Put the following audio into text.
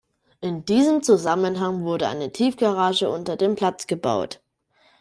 In diesem Zusammenhang wurde eine Tiefgarage unter dem Platz gebaut.